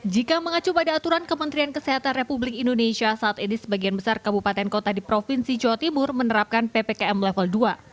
jika mengacu pada aturan kementerian kesehatan republik indonesia saat ini sebagian besar kabupaten kota di provinsi jawa timur menerapkan ppkm level dua